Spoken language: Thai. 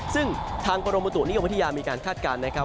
ซึ่งทางปรมปตุนิยวพฤธิยามีคาดการณ์นะครับ